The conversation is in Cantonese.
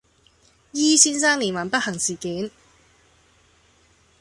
E 先生連環不幸事件